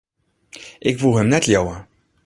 Ik woe him net leauwe.